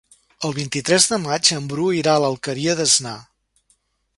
El vint-i-tres de maig en Bru irà a l'Alqueria d'Asnar.